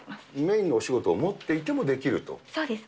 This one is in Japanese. メインのお仕事を持っていてそうです。